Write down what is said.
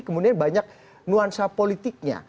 kemudian banyak nuansa politiknya